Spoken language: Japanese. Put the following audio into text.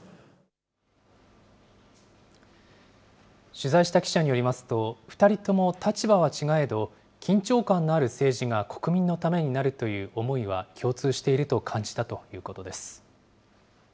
取材した記者によりますと、２人とも立場は違えど、緊張感のある政治が国民のためになるという思いは共通していると感じたということです。